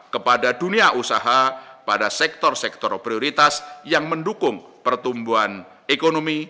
kepada dunia usaha pada sektor sektor prioritas yang mendukung pertumbuhan ekonomi